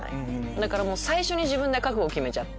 だから最初に自分で覚悟決めちゃって。